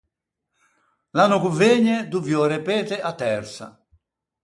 L’anno ch’o vëgne doviò repete a tersa.